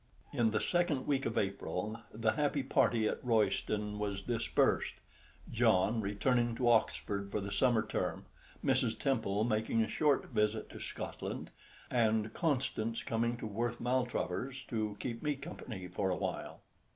In the second week of April the happy party at Royston was dispersed, John returning to Oxford for the summer term, Mrs. Temple making a short visit to Scotland, and Constance coming to Worth Maltravers to keep me company for a time.